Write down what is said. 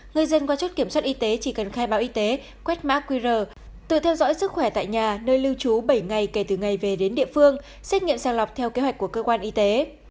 người dân qua chốt kiểm soát y tế chỉ cần khai báo y tế quét mã qr tự theo dõi sức khỏe tại nhà nơi lưu trú bảy ngày kể từ ngày về đến địa phương xét nghiệm sàng lọc theo kế hoạch của cơ quan y tế